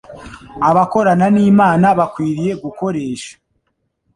“Abakorana n’Imana bakwiriye gukoresha